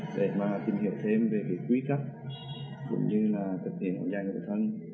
để mà tìm hiểu thêm về cái quý cấp cũng như là thực hiện áo dài ngủ thân